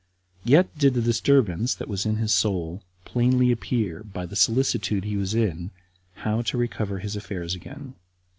Yet did the disturbance that was in his soul plainly appear by the solicitude he was in [how to recover his affairs again].